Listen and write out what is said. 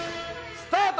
スタート！